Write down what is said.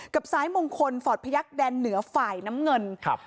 ซ้ายมงคลฟอร์ดพยักษ์แดนเหนือฝ่ายน้ำเงินครับ